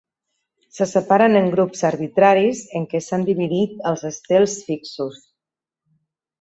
Se separen en grups arbitraris en què s'han dividit els estels fixos.